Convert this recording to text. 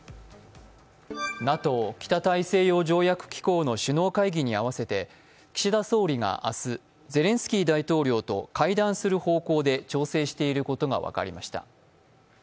ＮＡＴＯ＝北大西洋条約機構の首脳会議に合わせて岸田総理が明日、ゼレンスキー大統領と会談する方向で調整していることが分かりました。